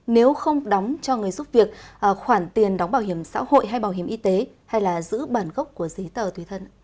nếu không đóng cho người giúp việc khoản tiền đóng bảo hiểm xã hội hay bảo hiểm y tế hay là giữ bản gốc của giấy tờ tùy thân